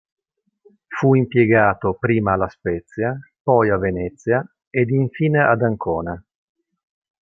Fu impiegato prima a La Spezia, poi a Venezia ed infine ad Ancona.